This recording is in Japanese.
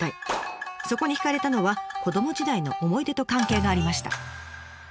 そこに惹かれたのは子ども時代の思い出と関係がありました。